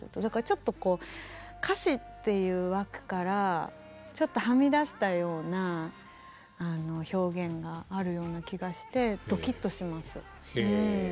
だからちょっとこう歌詞っていう枠からちょっとはみ出したような表現があるような気がしてドキッとします。